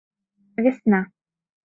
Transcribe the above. Весна.